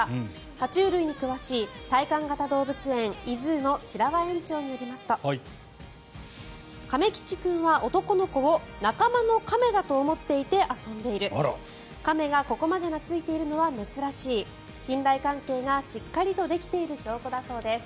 爬虫類に詳しい体感型動物園ｉＺｏｏの白輪園長によりますと亀吉君は男の子を仲間の亀だと思って遊んでいる亀がここまで懐いているのは珍しい信頼関係がしっかりとできている証拠だそうです。